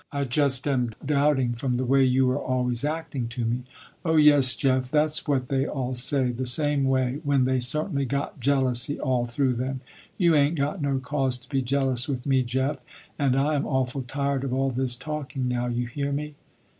I just am doubting from the way you are always acting to me." "Oh yes Jeff, that's what they all say, the same way, when they certainly got jealousy all through them. You ain't got no cause to be jealous with me Jeff, and I am awful tired of all this talking now, you hear me."